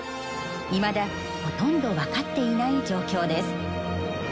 いまだほとんど分かっていない状況です。